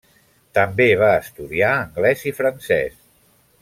També va estudiar anglès i francès.